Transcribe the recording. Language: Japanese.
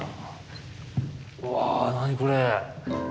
わ何これ。